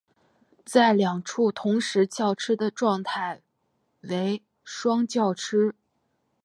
在两处同时叫吃的状态为双叫吃。